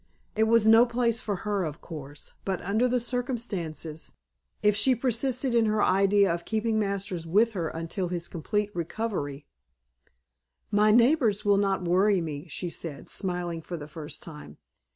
It was no place for her, of course but under the circumstances if she persisted in her idea of keeping Masters with her until his complete recovery "My neighbors will not worry me," she said, smiling for the first time.